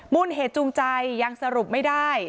มูลเหตุจูงใจยังสรุปไม่ได้